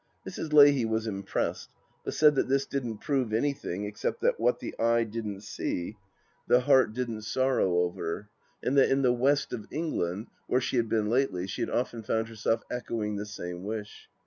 ..." Mrs. Leahy was impressed, but said that this didn't prove anythmg except that what the eye didn't see the heart 220 THE LAST DITCH didn't sorrow over, and that in the West of England, where she had been lately, she had often found herself echoing the same wish.